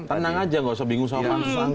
tenang aja nggak usah bingung sama masing masing